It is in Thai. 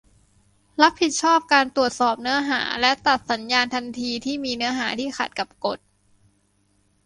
รับผิดชอบการตรวจสอบเนื้อหาและตัดสัญญาณทันทีที่มีเนื้อหาที่ขัดกับกฎ